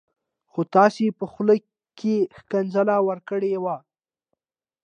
خو تاسي په خوله کي ښکنځل ورکړي و